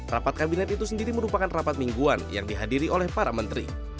rapat kabinet itu sendiri merupakan rapat mingguan yang dihadiri oleh para menteri